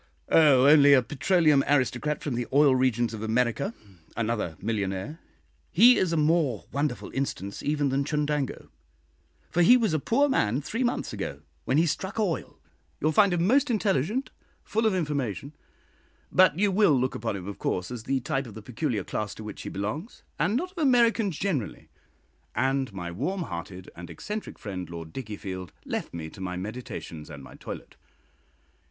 "Oh, only a petroleum aristocrat from the oil regions of America another millionaire. He is a more wonderful instance even than Chundango, for he was a poor man three months ago, when he 'struck oil.' You will find him most intelligent, full of information; but you will look upon him, of course, as the type of the peculiar class to which he belongs, and not of Americans generally." And my warm hearted and eccentric friend, Lord Dickiefield, left me to my meditations and my toilet.